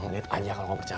lihat aja kalau kamu percaya